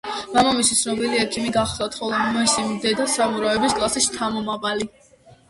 მამამისი ცნობილი ექიმი გახლდათ, ხოლო მისი დედა სამურაების კლასის შთამომავალი.